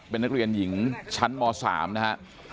เป็นนักเรียนหญิงชั้นม๓นะฮะ